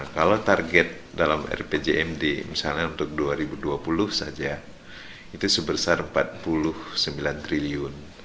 kalau target dalam rpjmd misalnya untuk dua ribu dua puluh saja itu sebesar rp empat puluh sembilan triliun